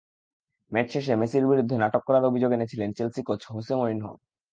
ম্যাচশেষে মেসির বিরুদ্ধে নাটক করার অভিযোগ এনেছিলেন চেলসি কোচ হোসে মরিনহো।